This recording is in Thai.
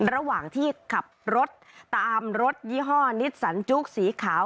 ระหว่างที่ขับรถตามรถยี่ห้อนิสสันจุ๊กสีขาว